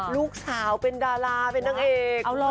ลูกสาวเป็นดาราเป็นนางเอก